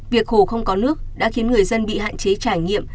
việc hồ không có nước đã khiến người dân bị hạn chế trải nghiệm